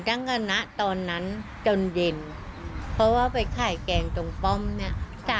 ตั้งแต่ณตอนนั้นจนเย็นเพราะว่าไปขายแกงตรงป้อมเนี่ย